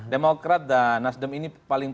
demokrat dan nasdem ini paling